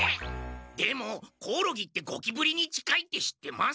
でもコオロギってゴキブリに近いって知ってます？